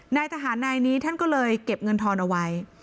นายทหารนายนี้ท่านก็เลยเก็บเงินทอนเอาไว้